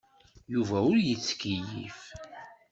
Yuba ur yettkeyyif.